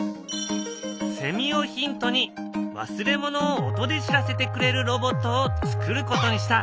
セミをヒントに忘れ物を音で知らせてくれるロボットをつくることにした。